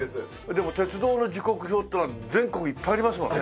でも鉄道の時刻表っていうのは全国いっぱいありますもんね。